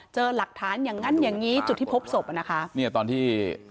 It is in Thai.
เจอหลักฐานอย่างงั้นอย่างงี้จุดที่พบศพอ่ะนะคะเนี่ยตอนที่